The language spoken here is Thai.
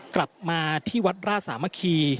กลับมาที่วัดราชสามัคคี